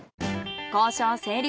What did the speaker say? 交渉成立。